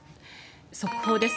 速報です。